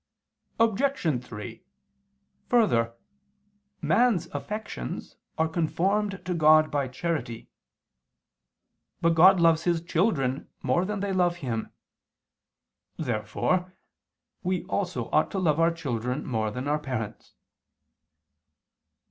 Obj. 3: Further, man's affections are conformed to God by charity. But God loves His children more than they love Him. Therefore we also ought to love our children more than our parents.